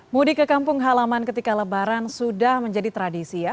mudik ke kampung halaman ketika lebaran sudah menjadi tradisi ya